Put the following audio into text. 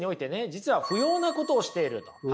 実は不要なことをしていると。